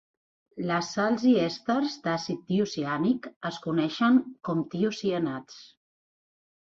Les sals i èsters d'àcid tiociànic es coneixen com tiocianats.